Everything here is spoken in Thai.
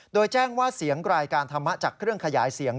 โดยแจ้งว่าเสียงรายการธรรมะจากเครื่องขยายเสียง